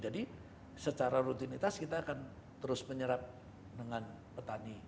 jadi secara rutinitas kita akan terus menyerap dengan petani